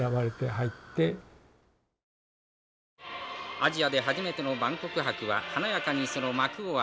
「アジアで初めての万国博は華やかにその幕を開けました」。